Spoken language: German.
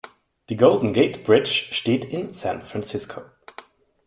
Die Golden Gate Bridge steht in San Francisco.